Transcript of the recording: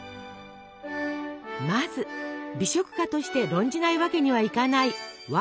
まず美食家として論じないわけにはいかないワインの項目。